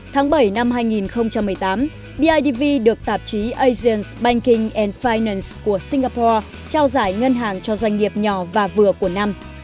tháng bảy năm hai nghìn một mươi tám bidv được tạp chí asiance banking an finance của singapore trao giải ngân hàng cho doanh nghiệp nhỏ và vừa của năm